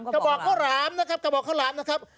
กระบอกข้าวหลามนะครับกระบอกข้าวหลามนะครับ